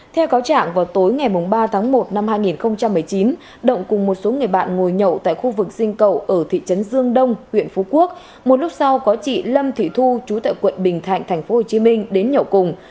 theo cáo trạng vào tối ngày ba tháng một năm hai nghìn một mươi chín động cùng một số người bạn ngồi nhậu tại khu vực sinh cậu ở thị trấn dương đông huyện phú quốc một lúc sau có chị lâm thị thu chú tại quận bình thạnh tp hcm đến nhậu cùng